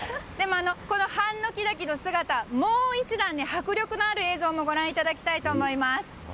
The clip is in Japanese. このハンノキ滝の姿もう一段、迫力ある映像もご覧いただきたいと思います。